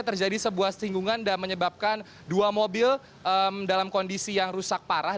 terjadi sebuah singgungan dan menyebabkan dua mobil dalam kondisi yang rusak parah